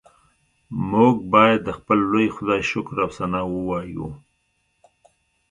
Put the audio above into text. موږ باید د خپل لوی خدای شکر او ثنا ووایو